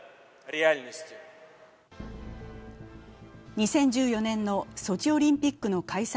２０１４年のソチオリンピックの開催